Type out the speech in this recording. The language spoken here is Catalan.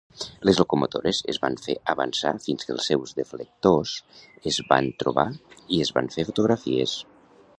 Les locomotores es van fer avançar fins que els seus deflectors es van trobar i es van fer fotografies.